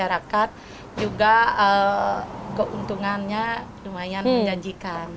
masyarakat juga keuntungannya lumayan menjanjikan